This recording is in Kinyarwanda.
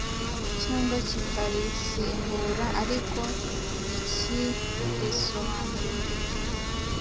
cyangwa kikarisimbura ariko ntikirisobanure neza;